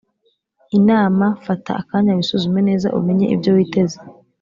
inama fata akanya wisuzume neza umenye ibyo witeze